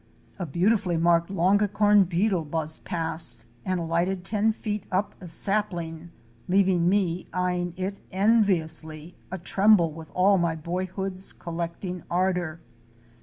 A beautifully marked Longicorn beetle buzzed past and alighted ten feet up a sapling, leaving me eying it enviously, atremble with all my boyhood's collecting ardor.